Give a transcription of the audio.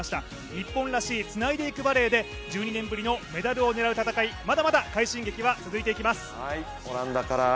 日本らしいつないでいくバレーで１２年ぶりのメダルを狙う戦い、まだまだ快進撃は続いていきます。